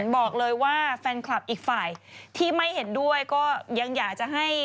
บอกเลยว่าแฟนคลับอีกฝ่ายที่ไม่เห็นด้วยก็ยังอยากจะให้